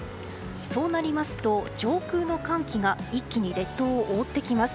そうなりますと上空の寒気が一気に列島を覆ってきます。